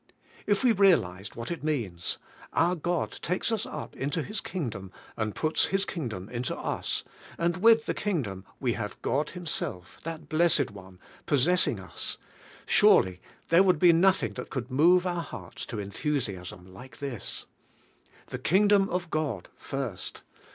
If we realized THE K I NT, DOM FIRST ^ what it means, — our God takes iis up into His King dom and puts His Kingdom into us and with the Kingdom we have God Himself, that blessed One, possessing us — surely there would be nothing that could move our hearts to enthusiasm like this. The Kingdom of God first!